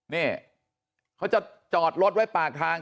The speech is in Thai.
นี่เขาจะจอดรถไว้ปากทาง